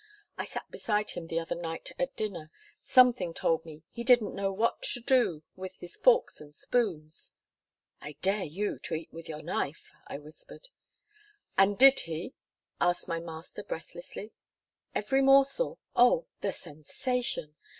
I sat beside him the other night at dinner. Something told me he didn't know what to do with his forks and spoons." "'I dare you to eat with your knife,' I whispered." "And did he?" asked my master breathlessly. "Every morsel. Oh! the sensation.